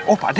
oh pak d